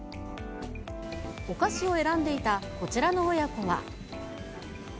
お菓子を選んでいたこちらの親子は。